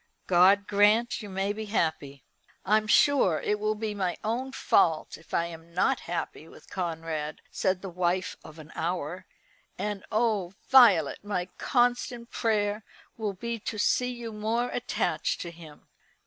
God grant you may be happy!" "I'm sure it will be my own fault if I am not happy with Conrad," said the wife of an hour, "and oh, Violet! my constant prayer will be to see you more attached to him."